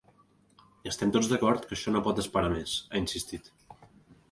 “Estem tots d’acord que això no pot esperar més”, ha insistit.